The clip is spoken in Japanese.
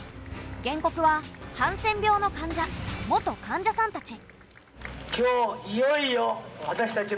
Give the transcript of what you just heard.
原告はハンセン病の患者元患者さんたち。